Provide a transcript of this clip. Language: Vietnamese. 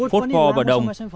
phốt phò và đồng